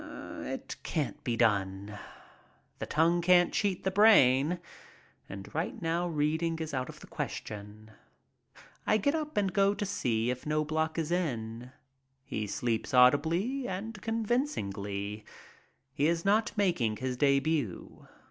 It can't be done. The tongue can't cheat the brain, and right now reading is out of the question. I get up and go to see if Knobloch is in. He sleeps audibly and convincingly. He is not making his debut.